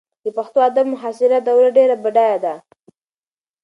د پښتو ادب معاصره دوره ډېره بډایه ده.